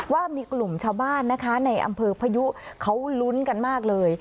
ว่ามีกลุ่มชาวบ้านนะคะในอำเภอพยุเขาลุ้นกันมากเลย